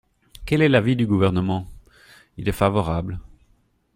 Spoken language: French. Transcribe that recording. Quel est l’avis du Gouvernement ? Il est favorable.